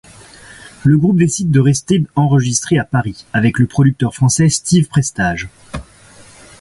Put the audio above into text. Le groupe décide de rester enregistrer à Paris, avec le producteur français Steve Prestage.